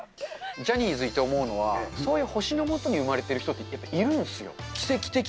ジャニーズいて思うのは、そういう星の下に生まれている人って、やっぱいるんですよ。